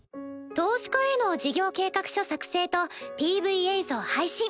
投資家への事業計画書作成とＰＶ映像配信。